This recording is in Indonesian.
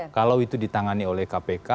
kalau itu ditangani oleh kpk